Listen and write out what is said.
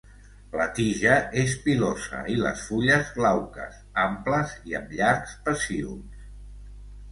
La tija és pilosa i les fulles glauques, amples, i amb llargs pecíols.